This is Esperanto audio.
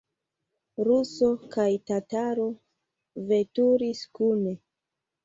Ruso kaj tataro veturis kune.